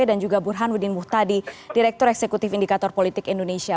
dan juga burhan wudin muhtadi direktur eksekutif indikator politik indonesia